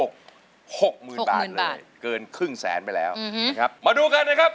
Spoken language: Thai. หกหกหมื่นบาทเลยเกินครึ่งแสนไปแล้วนะครับมาดูกันนะครับ